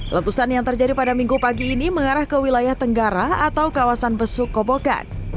letusan yang terjadi pada minggu pagi ini mengarah ke wilayah tenggara atau kawasan besuk kobokan